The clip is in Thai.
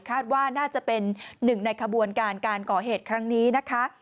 คาดว่าน่าจะเป็นหนึ่งในขบวนการการก่อเหตุครั้งนี้นะคะ